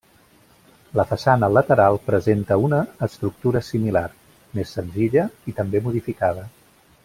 La façana lateral presenta una estructura similar, més senzilla, i també modificada.